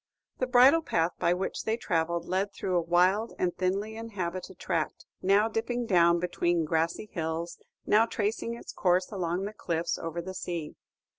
The bridle path by which they travelled led through a wild and thinly inhabited tract, now dipping down between grassy hills, now tracing its course along the cliffs over the sea.